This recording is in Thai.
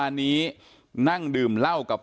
ก็นานีแล้วคุณบทสมประกอบค่ะ